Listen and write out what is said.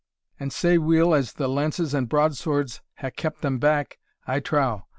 "And sae weel as the lances and broadswords hae kept them back, I trow!